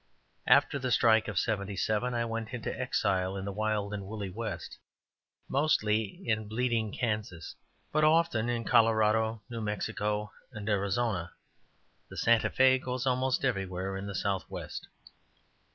After the strike of '77, I went into exile in the wild and woolly West, mostly in "bleeding Kansas," but often in Colorado, New Mexico, and Arizona the Santa Fé goes almost everywhere in the Southwest.